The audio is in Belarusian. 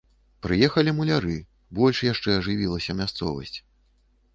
Прыехалі муляры, больш яшчэ ажывілася мясцовасць.